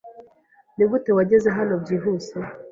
Nigute wageze hano byihuse?